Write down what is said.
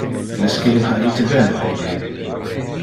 Esque es il ite ben hodie?